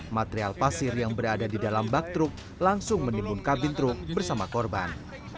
material pasir yang berada di dalam bak truk langsung menimbun kabin truk bersama korban